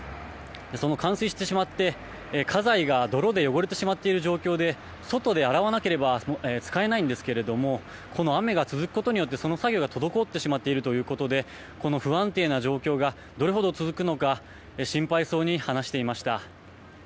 冠水してしまって、家財が泥で汚れてしまっている状況で外で洗わなければ使えないんですけどこの雨が続くことによってその作業が滞ってしまっているということでこの不安定な状況がどれほど続くのか心配そうに話していました。